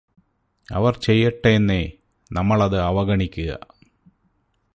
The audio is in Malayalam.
അവർ ചെയ്യട്ടെന്നേ. നമ്മളത് അവഗണിക്കുക.